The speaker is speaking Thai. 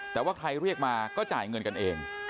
แต่ว่าใครเรียกมาก็จ่ายเงินกันเอง